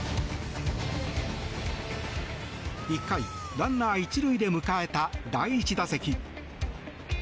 １回、ランナー１塁で迎えた第１打席。